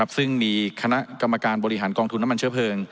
ซึ่งมีคณะกรรมการบริหารกองทุนน้ำมันเชื้อเพลิง